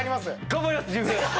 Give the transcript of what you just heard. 頑張ります！